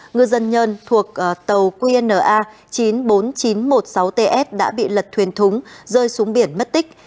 ngư dân nhân thuộc tàu qna chín mươi bốn nghìn chín trăm một mươi sáu ts đã bị lật thuyền thúng rơi xuống biển mất tích